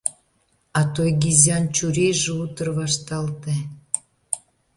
А Тойгизян чурийже утыр вашталте.